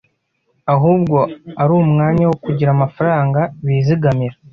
ahubwo ari umwanya wo kugira amafaranga bizigamira.